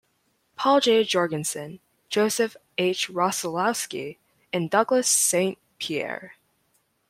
Paul J. Jorgensen, Joseph H. Rosolowski, and Douglas Saint Pierre.